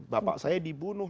bapak saya dibunuh